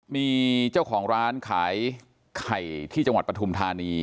มีเจ้าของร้านขายไข่ที่จังหวัดปฐุมธานี